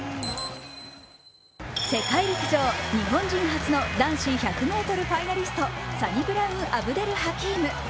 世界陸上日本人初の男子１００ｍファイナリストサニブラン・アブデル・ハキーム。